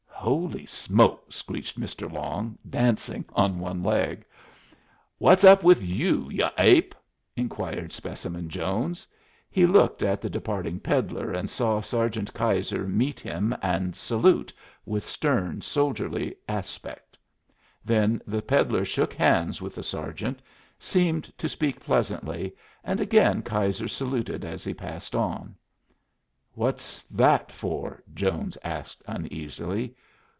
"Holy smoke!" screeched Mr. Long, dancing on one leg. "What's up with you, y'u ape?" inquired Specimen Jones. He looked at the departing peddler and saw Sergeant Keyser meet him and salute with stern, soldierly aspect. Then the peddler shook hands with the sergeant, seemed to speak pleasantly, and again Keyser saluted as he passed on. "What's that for?" Jones asked, uneasily.